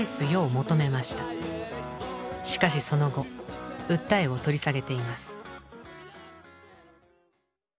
しかしその後訴えを取り下げています。